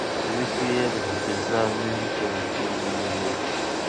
لیک کې یې د حفیظالله امین تېروتنې منلې وې.